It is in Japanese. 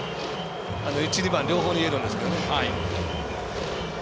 １、２番両方に言えるんですけど。